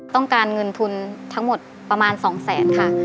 ต้องการเงินทุนทั้งหมดประมาณ๒แสนค่ะ